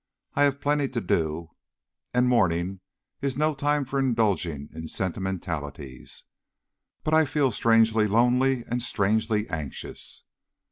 I have plenty to do, and morning is no time for indulging in sentimentalities. But I feel strangely lonely and strangely anxious.